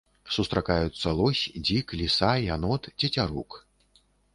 Сустракаюцца лось, дзік, ліса, янот, цецярук.